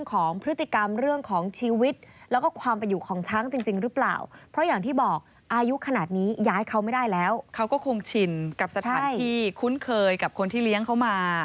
เขาก็คงชินกับสถานที่คุ้นเคยกับคนที่เลี้ยงเขามา